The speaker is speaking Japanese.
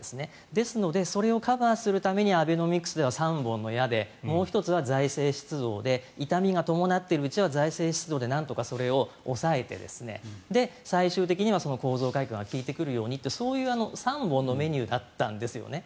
ですのでそれをカバーするためにアベノミクスでは３本の矢でもう１つは財政出動で痛みが伴っているうちは財政出動でなんとかそれを抑えてで、最終的にはその構造改革が効いてくるようにというそういう３本のメニューだったんですよね。